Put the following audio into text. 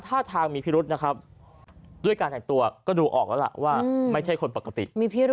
ท่าทางมีพิรุษนะครับด้วยการแต่งตัวก็ดูออกแล้วล่ะว่าไม่ใช่คนปกติมีพิรุธ